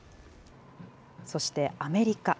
そしてアメリカ。